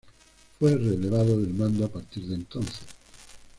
Fue relevado del mando a partir de entonces.